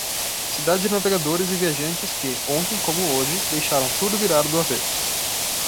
Cidade de navegadores e viajantes que, ontem como hoje, deixaram tudo virado do avesso.